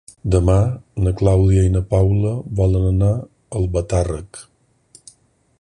Demà na Clàudia i na Paula volen anar a Albatàrrec.